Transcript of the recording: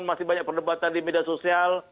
masih banyak perdebatan di media sosial